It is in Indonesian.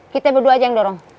kita berdua aja yang dorong